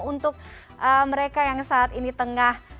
untuk mereka yang saat ini tengah